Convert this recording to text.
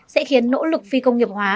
sẽ khiến nỗ lực phi công nghiệp hóa